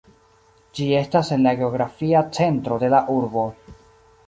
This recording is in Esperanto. Ĝi estas en la geografia centro de la urbo.